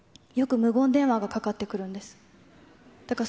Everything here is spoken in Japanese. よく無言電話がかかってくるんです。